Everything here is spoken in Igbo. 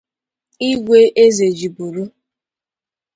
Igwe Ezejiburu